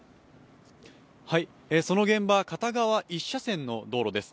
その現場、片側１車線の道路です。